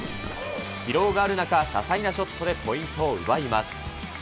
疲労がある中、多彩なショットでポイントを奪います。